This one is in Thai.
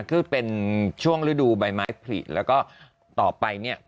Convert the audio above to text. คือเป็นช่วงฤดูใบไม้ผลิแล้วก็ต่อไปเนี่ย